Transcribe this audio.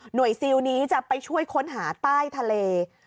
ซิลนี้จะไปช่วยค้นหาใต้ทะเล